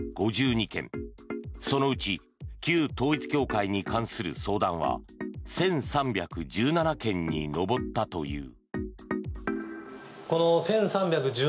そのうち旧統一教会に関する相談は１３１７件に上ったという。